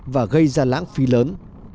và gây ra lãng phí lớn